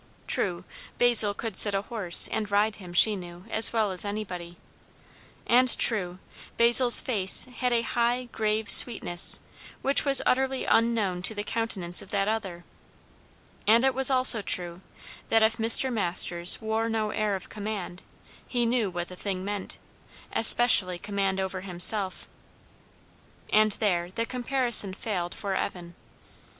True, Basil could sit a horse, and ride him, she knew, as well as anybody; and true, Basil's face had a high grave sweetness which was utterly unknown to the countenance of that other; and it was also true, that if Mr. Masters wore no air of command, he knew what the thing meant, especially command over himself. And there the comparison failed for Evan.